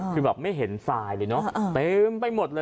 คือแบบไม่เห็นทรายเลยเนอะเต็มไปหมดเลย